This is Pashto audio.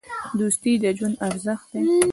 دوستي د ژوند ارزښت دی.